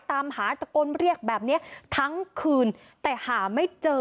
ตามหาตะโกนเรียกแบบนี้ทั้งคืนแต่หาไม่เจอ